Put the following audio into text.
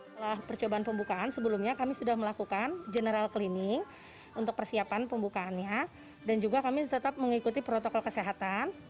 setelah percobaan pembukaan sebelumnya kami sudah melakukan general cleaning untuk persiapan pembukaannya dan juga kami tetap mengikuti protokol kesehatan